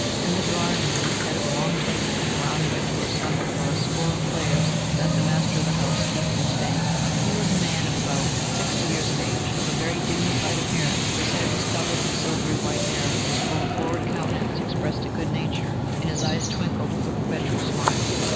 In the drawing room, at the head of a long table, around which were assembled about a score of players, sat the master of the house keeping the bank. He was a man of about sixty years of age, of a very dignified appearance; his head was covered with silvery white hair; his full, florid countenance expressed good nature, and his eyes twinkled with a perpetual smile.